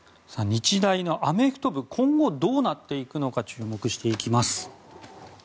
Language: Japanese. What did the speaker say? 日大のアメフト部今後、どうなっていくのか注目していきます。